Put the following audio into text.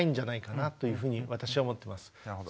なるほど。